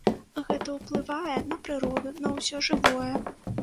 Гэта ўплывае на прыроду, на ўсё жывое.